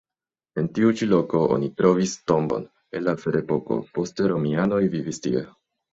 En tiu ĉi loko oni trovis tombon el la ferepoko, poste romianoj vivis tie.